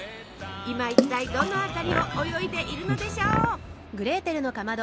今一体どの辺りを泳いでいるのでしょう？